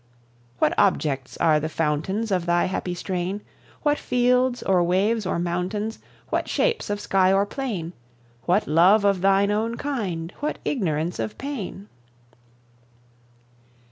What objects are the fountains Of thy happy strain? What fields, or waves, or mountains? What shapes of sky or plain? What love of thine own kind? what ignorance of pain?